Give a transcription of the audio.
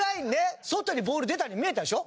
外にボール出たように見えたでしょ？